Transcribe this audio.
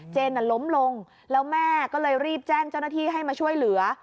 ล้มลงแล้วแม่ก็เลยรีบแจ้งเจ้าหน้าที่ให้มาช่วยเหลือ